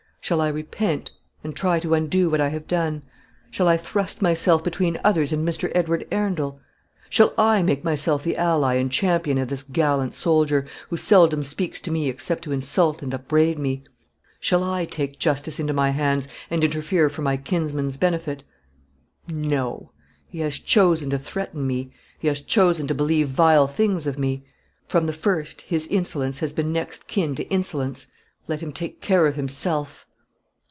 Shall I repent, and try to undo what I have done? Shall I thrust myself between others and Mr. Edward Arundel? Shall I make myself the ally and champion of this gallant soldier, who seldom speaks to me except to insult and upbraid me? Shall I take justice into my hands, and interfere for my kinsman's benefit? No; he has chosen to threaten me; he has chosen to believe vile things of me. From the first his indifference has been next kin to insolence. Let him take care of himself."